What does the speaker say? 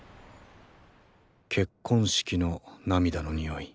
結婚式の涙の匂い。